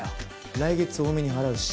来月多めに払うし。